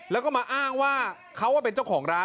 แล้วก็มาอ้างว่าเขาเป็นเจ้าของร้าน